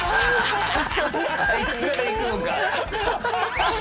あいつからいくのか。